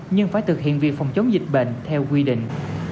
nhưng phải thực hiện việc phòng chống dịch bệnh theo quy định